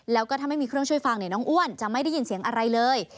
แล้วก็ถ้าไม่มีเครื่องช่วยฟังน้องอ้วนจะไม่ได้ยินเสียงอะไรเลย